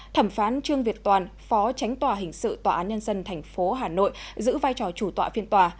thẩm phán trương việt toàn phó tránh tòa hình sự tòa án nhân dân tp hà nội giữ vai trò chủ tọa phiên tòa